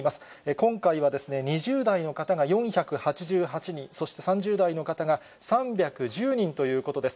今回は、２０代の方が４８８人、そして３０代の方が３１０人ということです。